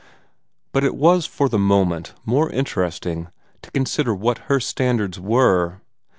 But it was for the moment more interesting to wonder what her standards were.